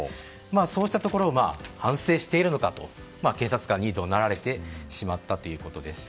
そうしたところが反省しているのかと警察官に怒鳴られてしまったということです。